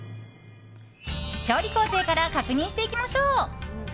調理工程から確認していきましょう。